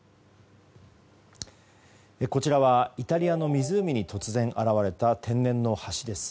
こちらはイタリアの湖に突然現れた天然の橋です。